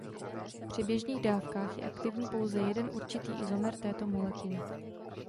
Při běžných dávkách je aktivní pouze jeden určitý izomer této molekuly.